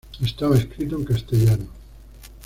Estaba escrito en castellano.